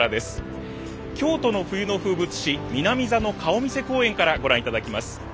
京都の冬の風物詩南座の顔見世公演からご覧いただきます。